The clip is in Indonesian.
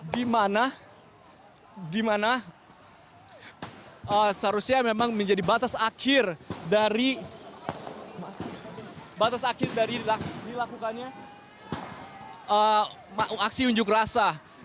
di mana seharusnya memang menjadi batas akhir dari batas akhir dari dilakukannya aksi unjuk rasa